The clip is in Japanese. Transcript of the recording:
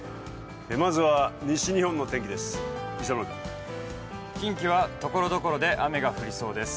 まずは西日本の天気です。